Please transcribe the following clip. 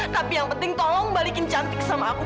tapi yang penting tolong balikin cantik sama aku